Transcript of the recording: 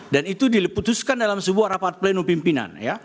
dan itu diputuskan dalam sebuah rapat pleno pimpinan